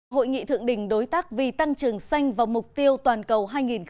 hội nghị thượng đình đối tác vì tăng trường xanh vào mục tiêu toàn cầu hai nghìn ba mươi